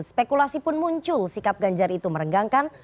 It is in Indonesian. selamat malam merdeka